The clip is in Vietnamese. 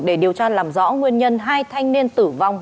để điều tra làm rõ nguyên nhân hai thanh niên tử vong